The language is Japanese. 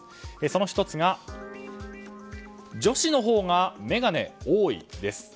その１つが女子のほうが眼鏡多いです。